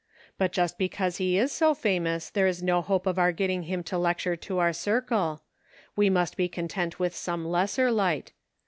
But just because he is so famous there is no hope of our getting him to lecture to our circle ; we must be content ^yith some lesser light.